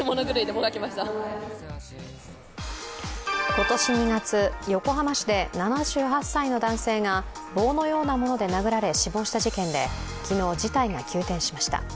今年２月、横浜市で７８歳の男性が棒のようなもので殴られ死亡した事件で、昨日事態が急転しました。